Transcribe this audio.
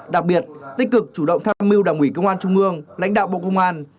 đặc biệt tích cực chủ động tham mưu đảng ủy công an trung ương lãnh đạo bộ công an